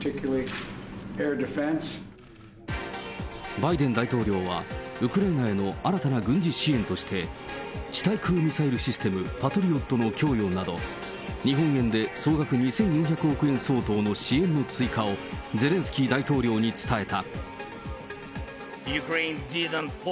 バイデン大統領は、ウクライナへの新たな軍事支援として、地対空ミサイルシステム、パトリオットの供与など、日本円で総額２４００億円相当の支援の追加を、ゼレンスキー大統領に伝えた。